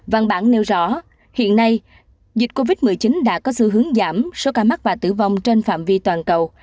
văn bản nêu rõ hiện nay dịch covid một mươi chín đã có xu hướng giảm số ca mắc và tử vong trên phạm vi toàn cầu